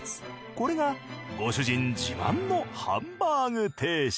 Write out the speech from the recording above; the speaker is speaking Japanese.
これがご主人自慢のハンバーグ定食。